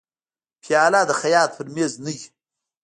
پیاله د خیاط پر مېز نه وي.